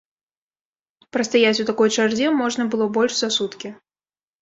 Прастаяць у такой чарзе можна было больш за суткі.